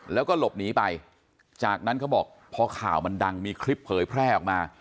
แล้วก็หลบหนีไปจากนั้นเขาบอกพอข่าวมันดังมีคลิปเผยแพร่ออกมา